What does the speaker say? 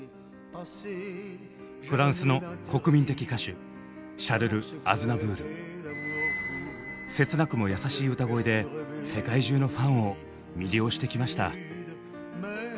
フランスの国民的歌手切なくも優しい歌声で世界中のファンを魅了してきました。